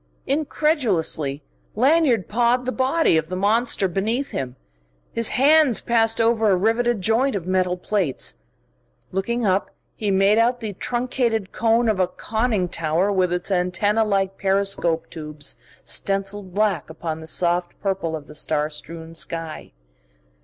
Incredulously Lanyard pawed the body of the monster beneath him. His hands passed over a riveted joint of metal plates. Looking up, he made out the truncated cone of a conning tower with its antennae like periscope tubes stencilled black upon the soft purple of the star strewn sky.